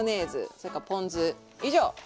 それからポン酢以上。